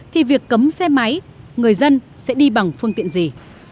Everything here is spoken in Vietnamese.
thì việc cấm xe máy người dân sẽ đi bằng phương tiện gì